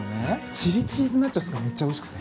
チリチ―ズナチョスがめっちゃおいしくて。